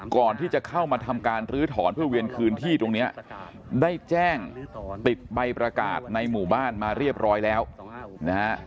ก่อนที่จะเข้ามาทำการลื้อถอนเพื่อเวียนคืนที่ตรงนี้ได้แจ้งติดใบประกาศในหมู่บ้านมาเรียบร้อยแล้วนะฮะ